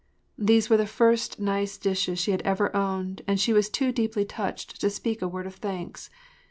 These were the first nice dishes she had ever owned and she was too deeply touched to speak a word of thanks.